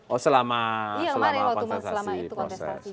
oh selama itu kontes parti